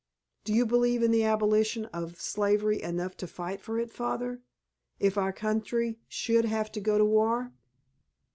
'" "Do you believe in the abolition of slavery enough to fight for it, Father,—if our country should have to go to war?"